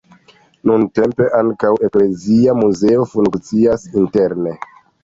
Nuntempe ankaŭ eklezia muzeo funkcias interne.